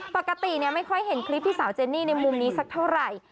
ปกติไม่ค่อยเห็นคลิปที่สาวเจนี่ในมุมนี้สักเท่าไหร่